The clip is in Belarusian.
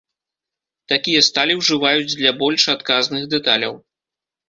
Такія сталі ўжываюць для больш адказных дэталяў.